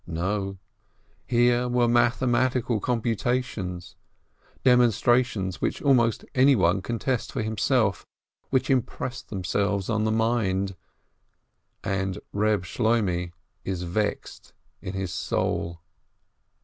No, here were mathematical computations, demonstra tions which almost anyone can test for himself, which impress themselves on the mind ! And Reb Shloimeh is vexed in his soul.